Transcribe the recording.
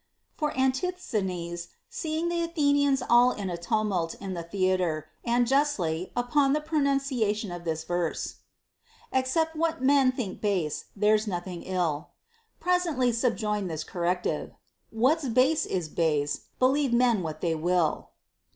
For Antis thenes, seeing the Athenians all in a tumult in the the atre, and justly, upon the pronunciation of this verse, —* II. XXIII. 297. TO HEAR POEMS. 85 Except what men think base, there's nothing ill,* presently subjoined this corrective, What's base is base, — believe men what they will.